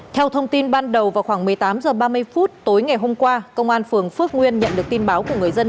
theo thông tin ban đầu vào khoảng một mươi tám h ba mươi phút tối ngày hôm qua công an phường phước nguyên nhận được tin báo của người dân